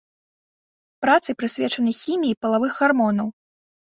Працы прысвечаны хіміі палавых гармонаў.